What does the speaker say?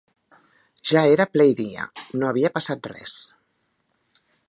Ja era ple dia, no havia passat res